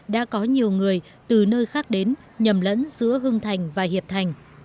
đã có nhiều người từ nơi khác đến nhầm lẫn giữa hưng thành và hiệp thành